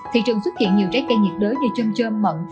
thị trường xuất hiện nhiều trái cây nhiệt đới như chân chơm mận